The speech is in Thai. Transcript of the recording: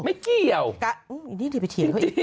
ไม่เกี่ยวจริงอีกนี้จะไปเถียงเขาอีก